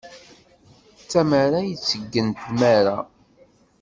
D tamara i iteggen nnmara.